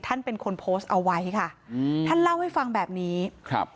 ท่านเป็นคนโพสต์เอาไว้ค่ะอืมท่านเล่าให้ฟังแบบนี้ครับ